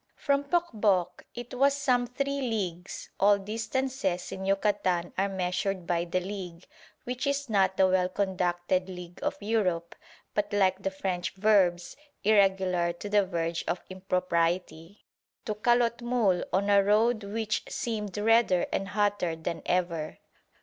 From Pokboc it was some three leagues (all distances in Yucatan are measured by the league, which is not the well conducted league of Europe, but, like the French verbs, irregular to the verge of impropriety) to Calotmul on a road which seemed redder and hotter than ever.